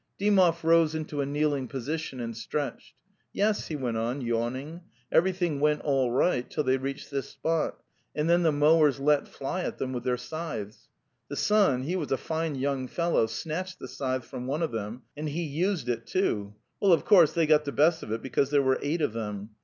5); Dymov rose into a kneeling position and stretched. '"' Yes," he went on, yawning. '' Everything went all right till they reached this spot, and then the mowers let fly at them with their scythes. The son, he was a fine young fellow, snatched the scythe from one of them, and he used it, too. ... Well, of course, they got the best of it because there were eight of them.